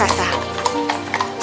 sang raksasa mempunyai banyak kemahiran